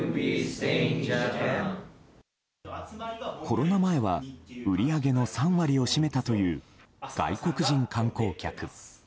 コロナ前は売り上げの３割を占めたという外国人観光客。